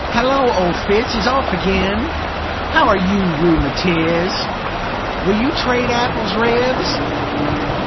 "Hallo, old Fits is off again!" "How are you, Rheumatiz?" "Will you trade apples, Ribs?"